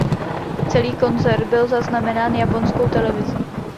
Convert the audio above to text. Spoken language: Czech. Celý koncert byl zaznamenán japonskou televizí.